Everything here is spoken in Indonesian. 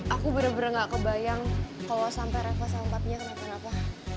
aku bener bener gak kebayang kalo sampai reva sampapnya kenapa napa